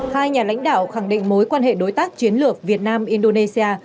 hai nhà lãnh đạo khẳng định mối quan hệ đối tác chiến lược việt nam indonesia